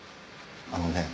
あのね